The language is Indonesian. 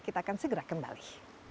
kita akan segera kembali